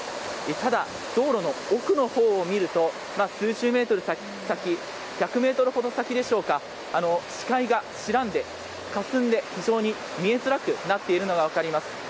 ただ、道路の奥のほうを見ると数十メートル先１００ｍほど先でしょうか視界が白んで、かすんで非常に見えづらくなっているのが分かります。